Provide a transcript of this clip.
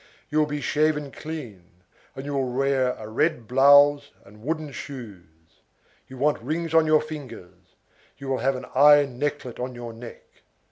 You will be shaven clean, and you will wear a red blouse and wooden shoes. You want rings on your fingers, you will have an iron necklet on your neck.